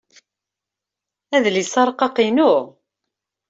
Adlis-a arqaq inu.